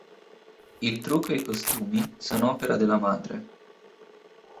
Il trucco e i costumi sono opera della madre.